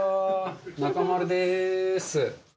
中丸です。